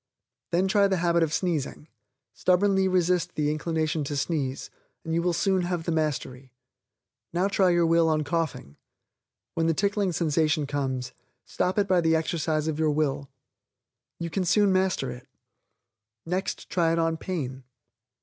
Then try the habit of sneezing; stubbornly resist the inclination to sneeze, and you will soon have the mastery. Now try your will on coughing. When the tickling sensation comes, stop it by the exercise of your will. You can soon master it. Next try it on pain.